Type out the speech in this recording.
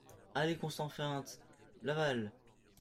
Allée Constant Feinte, Laval